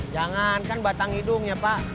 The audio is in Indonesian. jangan kan batang hidungnya pak